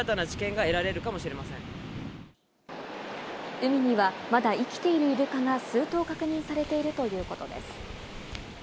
海にはまだ、生きているイルカが数頭確認されているということです。